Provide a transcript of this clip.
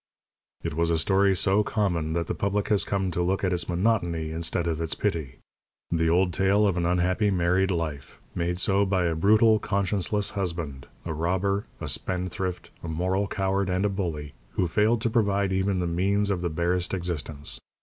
It was a story so common that the public has come to look at its monotony instead of its pity. The old tale of an unhappy married life made so by a brutal, conscienceless husband, a robber, a spendthrift, a moral coward and a bully, who failed to provide even the means of the barest existence.